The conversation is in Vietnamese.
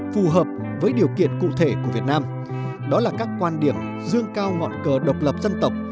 phù hợp với điều kiện cụ thể của việt nam đó là các quan điểm dương cao ngọn cờ độc lập dân tộc